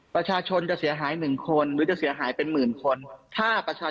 ประชาชนจะเสียหายหนึ่งคนหรือจะเสียหายเป็นหมื่นคนถ้าประชาชน